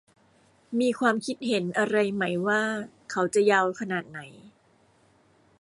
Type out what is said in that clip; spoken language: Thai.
มีความคิดเห็นอะไรไหมว่าเขาจะยาวขนาดไหน